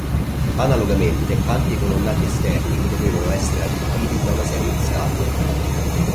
Analogamente anche i colonnati esterni dovevano essere arricchiti da una serie di statue.